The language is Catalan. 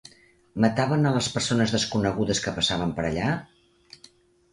Mataven a les persones desconegudes que passaven per allà?